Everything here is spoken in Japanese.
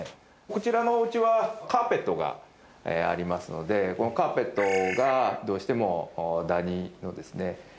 こちらのおうちはカーペットがありますのでこのカーペットがどうしてもダニのですね